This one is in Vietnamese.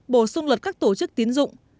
bổ sung luật các tổ chức tín dụng